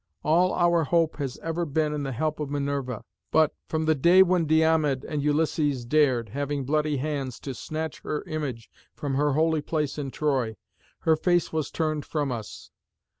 All our hope has ever been in the help of Minerva. But, from the day when Diomed and Ulysses dared, having bloody hands, to snatch her image from her holy place in Troy, her face was turned from us.